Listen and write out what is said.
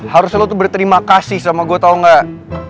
harus selalu tuh berterima kasih sama gue tau gak